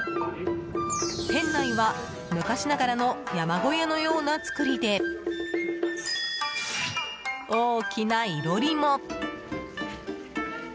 店内は昔ながらの山小屋のような作りで大きな囲炉裏も。